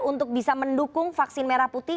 untuk bisa mendukung vaksin merah putih